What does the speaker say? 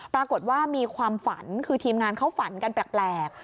ปรากฏว่ามีความฝันคือทีมงานเขาฝันกันแปลก